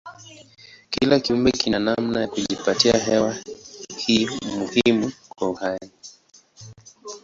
Kila kiumbe kina namna ya kujipatia hewa hii muhimu kwa uhai.